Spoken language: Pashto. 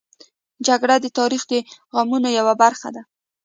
جګړه د تاریخ د غمونو یوه برخه ده